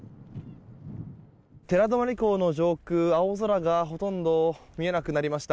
寺泊港の上空青空がほとんど見えなくなりました。